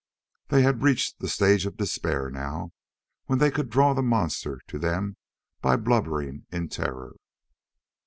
They had reached that stage of despair, now, when they could draw the monster to them by blubbering in terror.